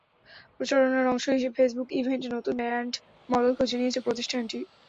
প্রচারণার অংশ হিসেবে ফেসবুক ইভেন্টে নতুন ব্র্যান্ড মডেল খুঁজে নিয়েছে প্রতিষ্ঠানটি।